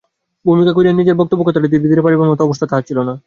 ভূমিকা করিয়া নিজের বক্তব্য কথাটা ধীরে ধীরে পাড়িবার মতো অবস্থা তাহার ছিল না।